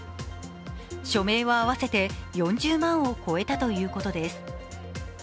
署名は合わせて４０万を超えたということです。